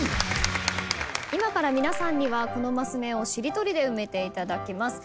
今から皆さんにはこのマス目をしりとりで埋めていただきます。